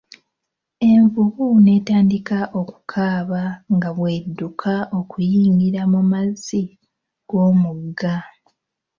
Envubu netandika okukaaba nga bw'edduka okuyingira mu mazzi g'omugga.